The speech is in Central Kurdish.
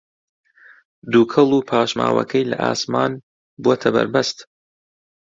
دووکەڵ و پاشماوەکەی لە ئاسمان بووەتە بەربەست